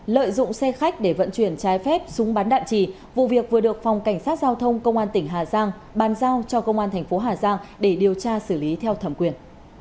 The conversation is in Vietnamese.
lợi dụng xe khách để vận chuyển trái phép súng bắn đạn trì vụ việc vừa được phòng cảnh sát giao thông công an tỉnh hà giang bàn giao cho công an thành phố hà giang để điều tra xử lý theo thẩm quyền